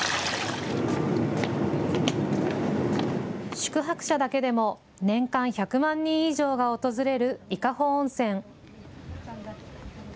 宿泊者だけでも年間１００万人以上が訪れる伊香保温泉。